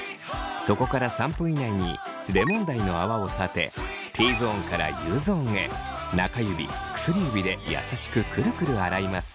そこから３分以内にレモン大の泡を立てＴゾーンからＵゾーンへ中指薬指で優しくくるくる洗います。